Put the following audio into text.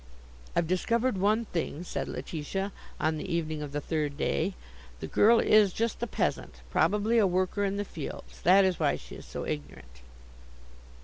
"I've discovered one thing," said Letitia on the evening of the third day. "The girl is just a peasant, probably a worker in the fields. That is why she is so ignorant."